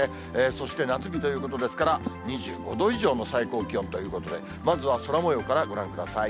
そして夏日ということですから、２５度以上の最高気温ということで、まずは空もようからご覧ください。